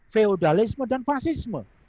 feodalisme dan fasisme